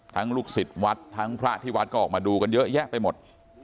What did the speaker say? ลูกศิษย์วัดทั้งพระที่วัดก็ออกมาดูกันเยอะแยะไปหมด